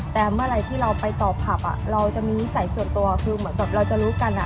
แต่เมื่อไหร่ที่เราไปต่อผับเราจะมีนิสัยส่วนตัวคือเหมือนแบบเราจะรู้กัน